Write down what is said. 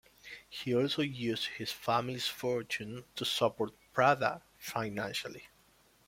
He also used his family's fortune to support "Pravda" financially.